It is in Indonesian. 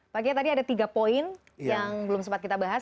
pak kiai tadi ada tiga poin yang belum sempat kita bahas